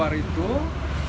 bahwa korban ini bukan sekolah